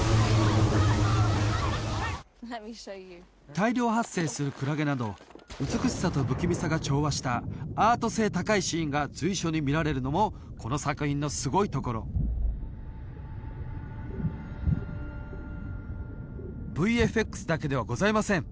大量発生するクラゲなど美しさと不気味さが調和したアート性高いシーンが随所に見られるのもこの作品のすごいところＶＦＸだけではございません